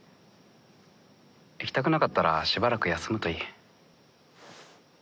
行きたくなかったらしばらく休むといい。